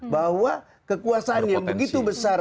bahwa kekuasaan yang begitu besar